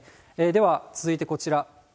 では、続いてこちら。